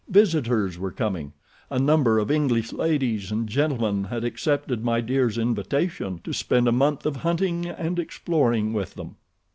Visitors were coming! A number of English ladies and gentlemen had accepted My Dear's invitation to spend a month of hunting and exploring with them.